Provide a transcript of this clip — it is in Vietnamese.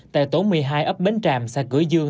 tại tổ một mươi hai ấp bến tràm xã cửa dương